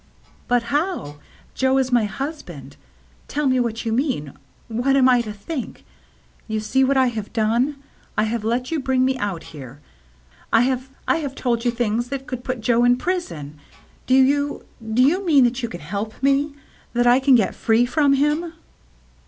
" But how ? Joe is my husband. Tell me what you mean. What am I to think ? You see what I have done. I have let you bring me out here; I have — I have told you things that could put Joe in prison. Do you — do you mean that you can help me — that I can get free from him